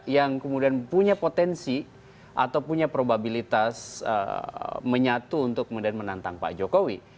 yang kemudian punya potensi atau punya probabilitas menyatu untuk kemudian menantang pak jokowi